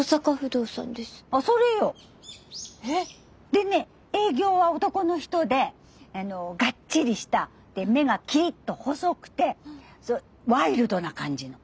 でね営業は男の人でガッチリしたで目がキリッと細くてワイルドな感じの。